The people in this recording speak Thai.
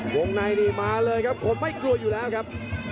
วงในนี่มาเลยครับคนไม่กลัวอยู่แล้วครับ